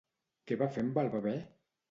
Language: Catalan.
Què va fer amb el bebè?